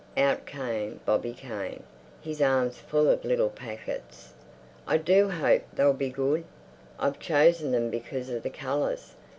Out came Bobby Kane, his arms full of little packets. "I do hope they'll be good. I've chosen them because of the colours.